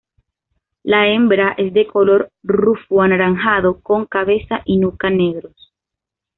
La hembra es de color rufo-anaranjado, con cabeza y nuca negros.